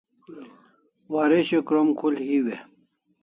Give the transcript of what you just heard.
Waresho krom khul hiu e?